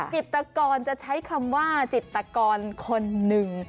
จิตกรจะใช้คำว่าจิตกรคนหนึ่ง